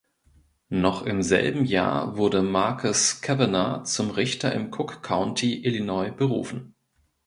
Noch im selben Jahr wurde Marcus Kavanagh zum Richter im Cook County (Illinois) berufen.